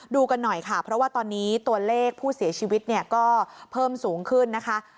ดูกันหน่อยค่ะเพราะว่าตอนนี้ตัวเลขผู้เสียชีวิตเนี่ยก็เพิ่มสูงขึ้นนะคะ